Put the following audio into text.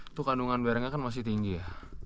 itu kandungan berengnya kan masih tinggi ya